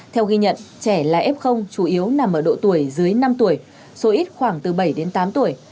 theo ghi nhận trẻ là f chủ yếu nằm ở độ tuổi dưới năm tuổi số ít khoảng từ bảy đến tám tuổi